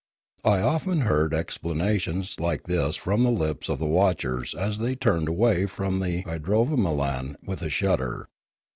" I often heard exclamations like this from the lips of the watchers as they turned away from the idrovamolan with a shudder.